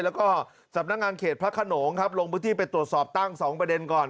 แล้วก็สำนักงานเขตพระขนงครับลงพื้นที่ไปตรวจสอบตั้ง๒ประเด็นก่อน